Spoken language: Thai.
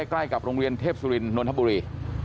ใกล้กับโรงเรียนเทพสุรินนทบุรี